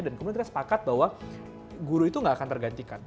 dan kebetulan sepakat bahwa guru itu nggak akan tergantikan